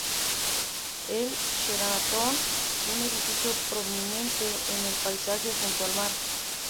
El Sheraton, un edificio prominente en el paisaje junto al mar.